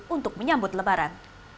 untuk menyambut lebaran